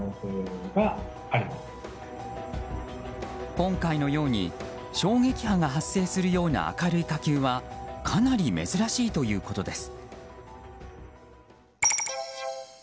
今回のように、衝撃波が発生するような明るい火球はかなり珍しいということです。